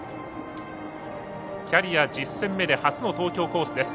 キャリア１０戦目で初の東京コースです。